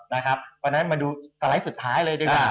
เพราะฉะนั้นมาดูสไลด์สุดท้ายเลยดีกว่า